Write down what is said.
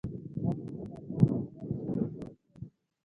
دوه میلیونه کاله ډېر زیات وخت دی.